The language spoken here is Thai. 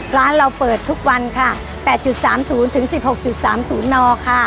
ร้านเราเปิดทุกวันค่ะแปดจุดสามศูนย์ถึงสิบหกจุดสามศูนย์นอค่ะ